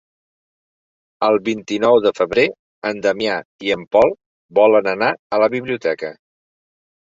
El vint-i-nou de febrer en Damià i en Pol volen anar a la biblioteca.